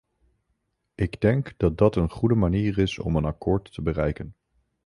Ik denk dat dat een goede manier is om een akkoord te bereiken.